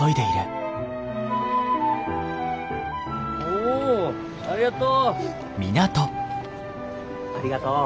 おおありがとう。